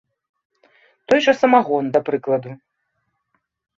Той жа самагон, да прыкладу.